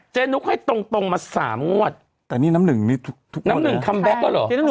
ุ๊กให้ตรงตรงมาสามงวดแต่นี่น้ำหนึ่งนี่น้ำหนึ่งคัมแบ็คแล้วเหรอ